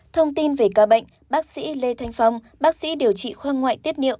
thông tin về ca bệnh bác sĩ lê thanh phong bác sĩ điều trị khoang ngoại tiết niệu